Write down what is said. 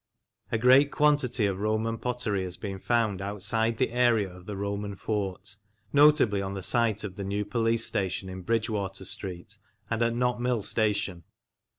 A great quantity of Roman pottery has been found outside the area of the Roman fort, notably on the site of the new police station in Bridgewater Street and at Knott Mill Station.